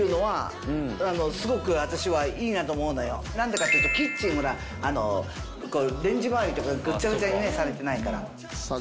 ただ何でかっていうとキッチンほらこうレンジ周りとかぐっちゃぐちゃにされてないからさあ